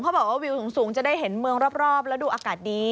บอกว่าวิวสูงจะได้เห็นเมืองรอบแล้วดูอากาศดี